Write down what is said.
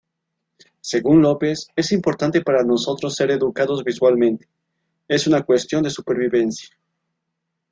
Según López, "Es importante para nosotros ser educados visualmente; es una cuestión de supervivencia.